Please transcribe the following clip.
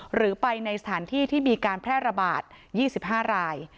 หรือไปในสถานที่ที่มีการแพร่ระบาด๒๕ราย